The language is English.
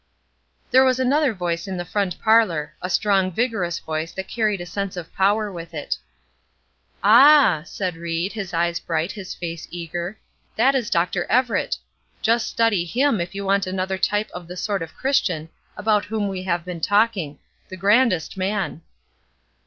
There was another voice in the front parlor a strong, vigorous voice that carried a sense of power with it. "Ah!" said Ried, his eyes bright, his face eager; "that is Dr. Everett. Just study him if you want another type of the sort of Christian about whom we have been talking; the grandest man!"